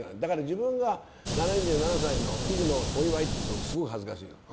自分の７７歳の喜寿のお祝いとかすごい恥ずかしいの。